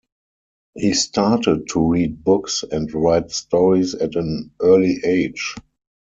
He started to read books and write stories at an early age.